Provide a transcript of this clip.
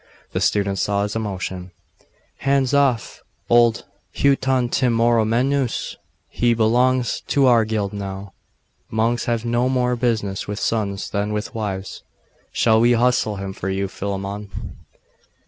The students saw his emotion. 'Hands off, old Heautontimoroumenos! He belongs to our guild now! Monks have no more business with sons than with wives. Shall we hustle him for you, Philammon?